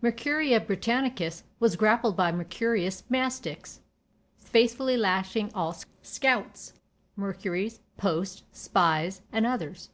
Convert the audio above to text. "Mercuriua Britannicus" was grappled by "Mercurius Mastix, faithfully lashing all Scouts, Mercuries, Posts, Spies, and others."